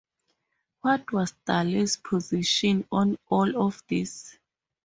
What was Dale's position on all of this?